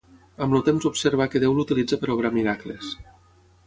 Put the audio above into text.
Amb el temps observa que Déu l'utilitza per a obrar miracles.